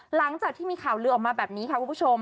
หลังจากที่มีข่าวลือออกมาแบบนี้ค่ะคุณผู้ชม